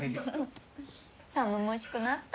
頼もしくなったねえ